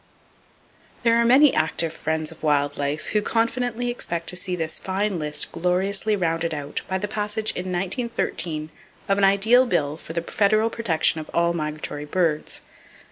There are many active friends of wild life who confidently expect to see this fine list gloriously rounded out by the passage in 1913 of an ideal bill for the federal protection of all migratory birds.